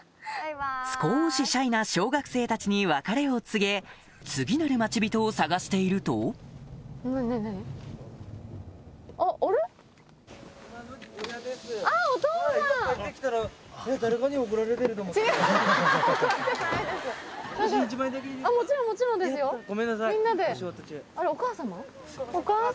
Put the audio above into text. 少しシャイな小学生たちに別れを告げ次なる町人を探しているとごめんなさいお仕事中。